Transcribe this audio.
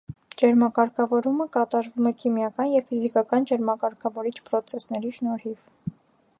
Ջերմակարգավորումը կատարվում է քիմիական և ֆիզիկական ջերմակարգավորիչ պրոցեսների շնորհիվ։